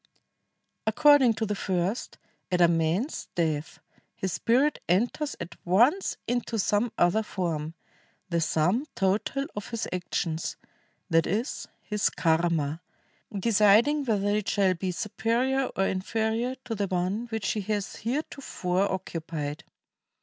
According to the first, at a man's death his spirit enters at once into some other form, the sum total of his actions, that is, his karma, deciding whether it shall be superior or inferior to the one which he has heretofore oc cupied.